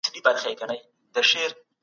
د اقتصاد په اړه نوي کتابونه ولولئ.